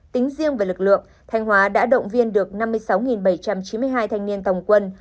tính riêng về lực lượng thanh hóa đã động viên được năm mươi sáu bảy trăm chín mươi hai thanh niên tòng quân